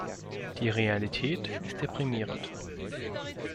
Die Realität ist deprimierend.